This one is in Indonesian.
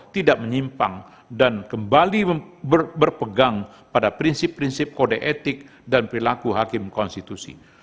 tidak menyimpang dan kembali berpegang pada prinsip prinsip kode etik dan perilaku hakim konstitusi